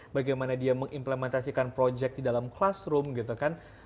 bagaimana dia mengimplementasikan proyek di dalam classroom gitu kan